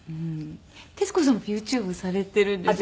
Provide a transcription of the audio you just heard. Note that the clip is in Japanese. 徹子さんもＹｏｕＴｕｂｅされているんですよね？